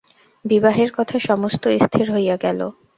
বিবাহের কথা সমস্ত স্থির হইয়া গেল।